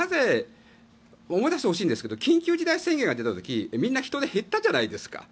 思い出してほしいんですけど緊急事態宣言が出た時みんな人出減ったじゃないですか。